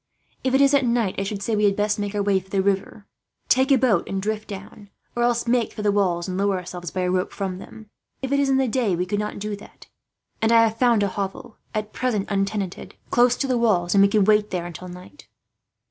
"If it is at night I should say we had best make for the river, take a boat and drift down; or else make for the walls, and lower ourselves by a rope from them. If it is in the day we could not do that; and I have found a hovel, at present untenanted, close to the walls, and we could wait there until night."